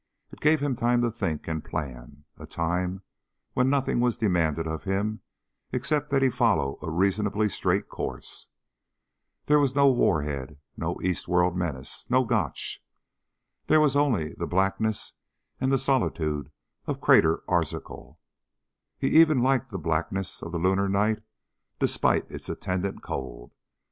It gave him time to think and plan, a time when nothing was demanded of him except that he follow a reasonably straight course. There was no warhead, no East World menace, no Gotch. There was only the blackness and the solitude of Crater Arzachel. He even liked the blackness of the lunar night, despite its attendant cold.